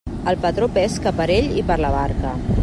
El patró pesca per ell i per la barca.